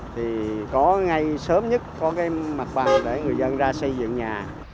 thì có ngày sớm nhất có cái mặt băng để người dân ra xây dựng nhà